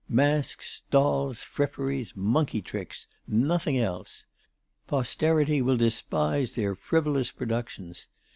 Masks, dolls, fripperies, monkey tricks, nothing else! Posterity will despise their frivolous productions.